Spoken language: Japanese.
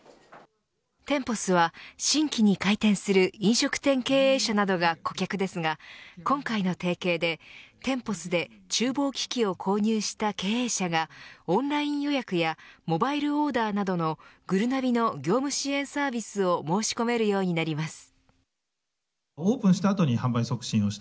テンポスは新規に開店する飲食店経営者などが顧客ですが、今回の提携でテンポスで厨房機器を購入した経営者がオンライン予約やモバイルオーダーなどのぐるなびの業務支援サービスを申し込めるようになります。